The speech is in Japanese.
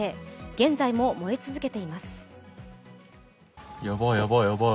現在も燃え続けています。